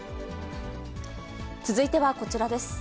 続いてはこちらです。